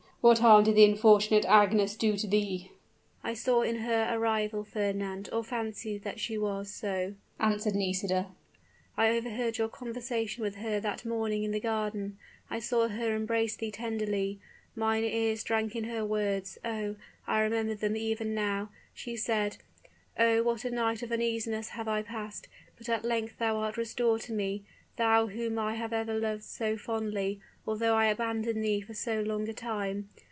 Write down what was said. What harm did the unfortunate Agnes do to thee?" "I saw in her a rival, Fernand or fancied that she was so," answered Nisida; "I overheard your conversation with her that morning in the garden I saw her embrace thee tenderly mine ears drank in her words; oh, I remember them even now! She said, 'Oh, what a night of uneasiness have I passed! But at length thou art restored to me; thou whom I have ever loved so fondly; although I abandoned thee for so long a time!'